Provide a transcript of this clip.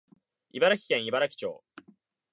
茨城県茨城町